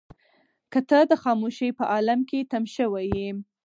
که ته د خاموشۍ په عالم کې تم شوې يې.